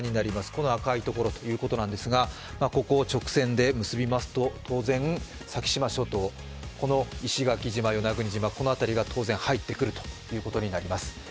この赤いところになりますが、直線で結びますと当然、先島諸島、この石垣島、与那国島、この辺りが当然入ってくることになります。